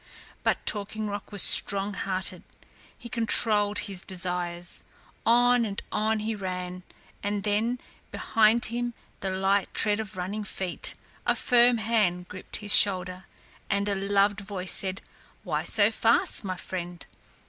But Talking Rock was strong hearted. He controlled his desires. On and on he ran, and then behind him the light tread of running feet, a firm hand gripped his shoulder, and a loved voice said, "Why so fast, my friend?"